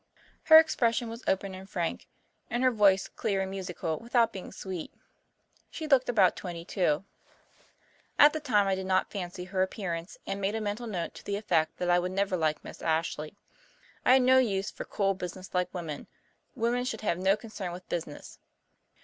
Her expression was open and frank, and her voice clear and musical without being sweet. She looked about twenty two. At the time I did not fancy her appearance and made a mental note to the effect that I would never like Miss Ashley. I had no use for cool, businesslike women women should have no concern with business.